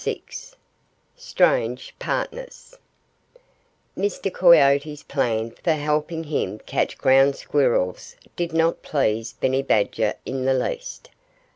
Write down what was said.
VI STRANGE PARTNERS Mr. Coyote's plan for helping him catch Ground Squirrels did not please Benny Badger in the least.